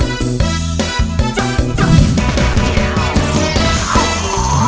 สู้สู้ซ่าซ่ายกกำลังซ่าออกมาสู้สู้